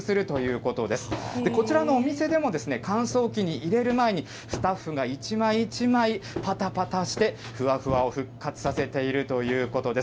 こちらのお店でも、乾燥機に入れる前に、スタッフが一枚一枚、ぱたぱたして、ふわふわを復活させているということです。